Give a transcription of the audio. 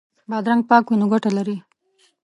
بادرنګ پاک وي نو ګټه لري.